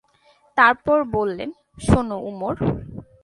তারপর বললেন, শোন উমর!